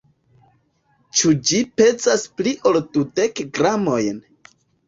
Ĉu ĝi pezas pli ol dudek gramojn?